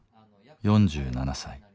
４７歳。